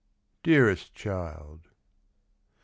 Dearest Child !